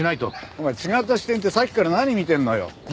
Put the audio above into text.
お前違った視点ってさっきから何見てんのよ？